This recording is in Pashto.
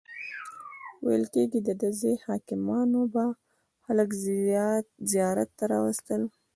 ویل کیږي دده ځایي حاکمانو به خلک زیارت ته راوستل.